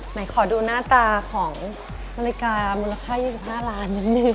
ไหนขอดูหน้าตาของนาฬิกามูลค่า๒๕ล้านนิดนึง